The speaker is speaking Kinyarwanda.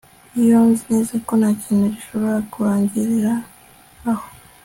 Iyo nzi neza ko ntakintu gishobora kurangirira aho